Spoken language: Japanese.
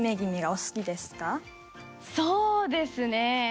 そうですね。